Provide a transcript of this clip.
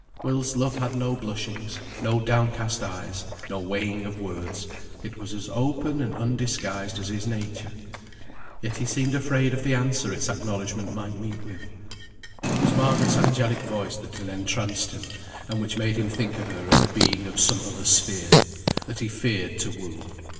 Will's love had no blushings, no downcast eyes, no weighing of words; it was as open and undisguised as his nature; yet he seemed afraid of the answer its acknowledgment might meet with. It was Margaret's angelic voice that had entranced him, and which made him think of her as a being of some other sphere, that he feared to woo.